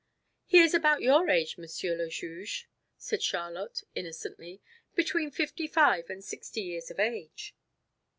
"He is about your age, Monsieur le Juge," said Charlotte innocently, "between fifty five and sixty years of age."